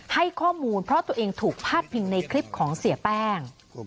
ให้ข้อมูลเพราะตัวเองถูกพาดพิงในคลิปของเสียแป้ง